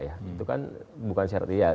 itu kan bukan syarat ideal